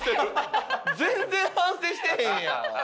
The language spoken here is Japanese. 全然反省してへんやん。